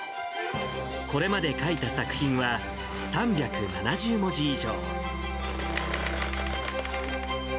これまで書いた作品は３７０文字以上。